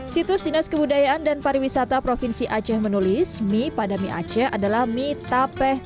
situs dinas kebudayaan dan pariwisata provinsi aceh menulis mie pada mie aceh adalah mie tapeh